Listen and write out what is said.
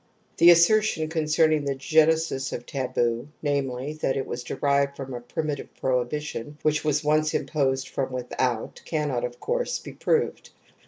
The asser tion concerning the genesis of taboo, namely, that it was derived from a primitive prohibition which was once imposed from without, cannot, of course, be proved.